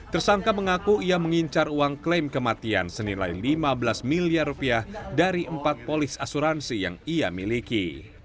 tersangka mengaku ia mengincar uang klaim kematian senilai lima belas miliar rupiah dari empat polis asuransi yang ia miliki